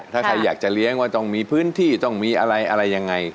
ถ้าใครอยากจะเลี้ยงว่าต้องมีพื้นที่ต้องมีอะไรอะไรยังไง